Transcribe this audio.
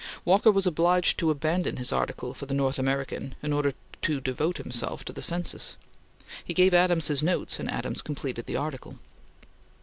Walker was obliged to abandon his article for the North American in order to devote himself to the Census. He gave Adams his notes, and Adams completed the article.